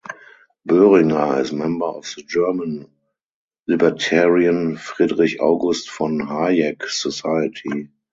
Boehringer is member of the German libertarian Friedrich August von Hayek society.